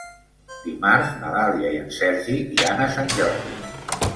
Dimarts na Dàlia i en Sergi iran a Sant Jordi.